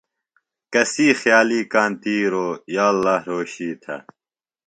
کسی خیالیۡ کانتِیروۡ یااللّٰہ رھوشی تھہ۔